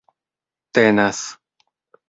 tenas